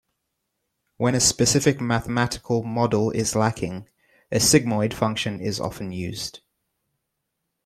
When a specific mathematical model is lacking, a sigmoid function is often used.